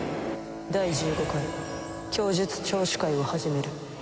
第１５回供述聴取会を始める。